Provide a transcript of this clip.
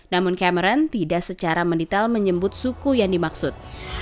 namun cameron tidak secara mendetail menyebut suku yang dimaksud